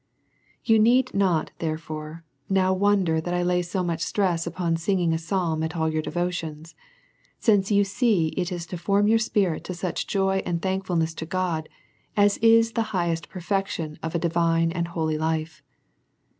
You need not, therefore, now wonder, that I lay so much stress upon singing a psalm at all your devotions, since you see it is to form your spirit to such joy and thankfulness to God, as is the highest perfection of a divine and holy life.